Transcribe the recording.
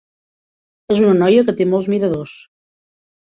És una noia que té molts miradors.